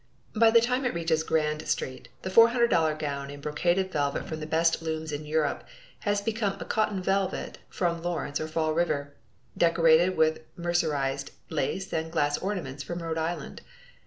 By the time it reaches Grand Street the $400 gown in brocaded velvet from the best looms in Europe has become a cotton velvet from Lawrence or Fall River, decorated with mercerized lace and glass ornaments from Rhode Island!